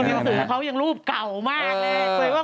หนังสือเขายังรูปเก่ามากเลย